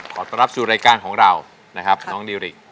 ขอต้อนรับสู่รายการของเรานะครับน้องดิริก